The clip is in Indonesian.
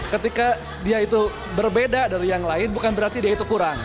ketika dia itu berbeda dari yang lain bukan berarti dia itu kurang